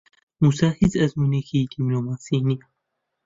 مووسا هیچ ئەزموونێکی دیپلۆماسی نییە.